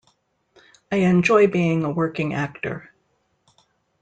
I enjoy being a working actor.